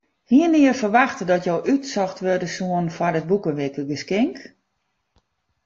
Hiene je ferwachte dat jo útsocht wurde soene foar dit boekewikegeskink?